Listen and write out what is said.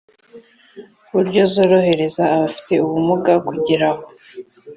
buryo zorohereza abafite ubumuga kugera aho